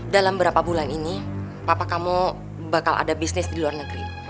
dalam berapa bulan ini papa kamu bakal ada bisnis di luar negeri